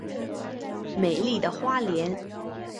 美丽的花莲